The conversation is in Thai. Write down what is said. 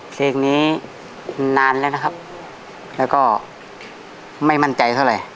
เพลงนี้นานแล้วนะครับแล้วก็ไม่มั่นใจเท่าไหร่